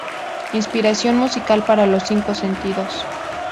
Inspiración musical para los cinco sentidos.